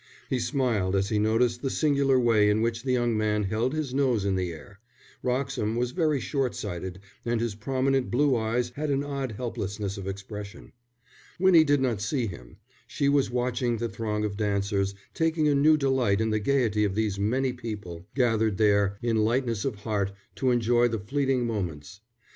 He smiled as he noticed the singular way in which the young man held his nose in the air. Wroxham was very short sighted, and his prominent blue eyes had an odd helplessness of expression. Winnie did not see him. She was watching the throng of dancers, taking a new delight in the gaiety of those many people gathered there in lightness of heart to enjoy the fleeting moments.